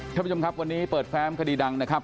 ท่านผู้ชมครับวันนี้เปิดแฟ้มคดีดังนะครับ